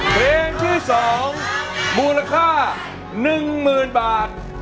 เพลงที่สองมูลค่าหนึ่งหมื่นบาท